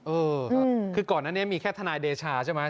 เออคือก่อนอันนี้มีแค่ทนายเดชาใช่ไหม